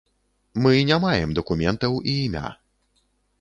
Мы не маем дакументаў і імя.